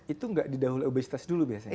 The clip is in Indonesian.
itu nggak didahului obesitas dulu biasanya